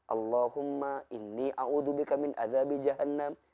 allahumma inni a'udhu bikamin azabi jahannam